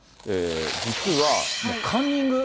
実はカンニング。